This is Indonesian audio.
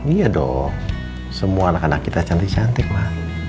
iya dong semua anak anak kita cantik cantik lah